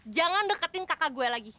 jangan deketin kakak gue lagi